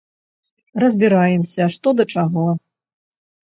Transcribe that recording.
Разбіраемся, што да чаго.